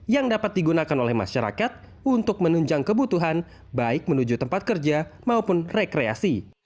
yang dapat digunakan oleh masyarakat untuk menunjang kebutuhan baik menuju tempat kerja maupun rekreasi